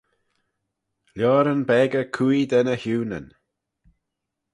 Lioaryn beggey cooie da ny h-Ewnyn.